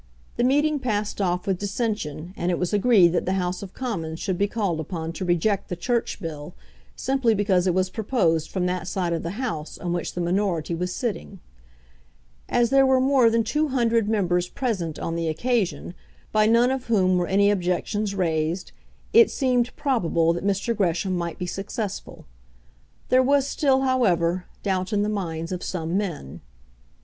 The meeting passed off without dissension, and it was agreed that the House of Commons should be called upon to reject the Church Bill simply because it was proposed from that side of the House on which the minority was sitting. As there were more than two hundred members present on the occasion, by none of whom were any objections raised, it seemed probable that Mr. Gresham might be successful. There was still, however, doubt in the minds of some men.